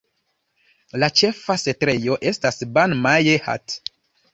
La ĉefa setlejo estas Ban Mae Hat.